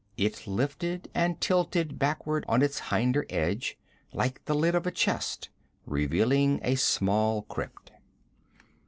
It lifted and tilted backward on its hinder edge, like the lid of a chest, revealing a small crypt.